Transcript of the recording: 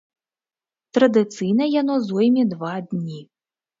Традыцыйна яно зойме два дні.